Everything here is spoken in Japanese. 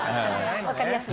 分かりやすいけど。